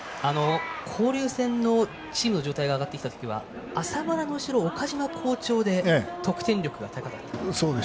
交流戦のチームの状態が上がってきたときは浅村の後ろ岡島好調で得点力が高かった。